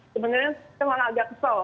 sebenarnya saya malah agak kesel